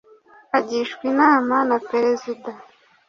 Agishwa inama na Perezida